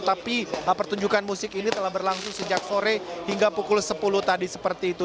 tapi pertunjukan musik ini telah berlangsung sejak sore hingga pukul sepuluh tadi seperti itu